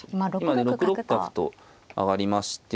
今ね６六角と上がりまして。